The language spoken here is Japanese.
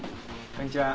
こんにちは。